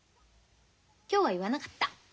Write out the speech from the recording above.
今日は言わなかった。